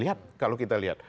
lihat kalau kita lihat